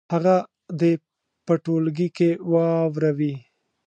هغه دې په ټولګي کې واوروي.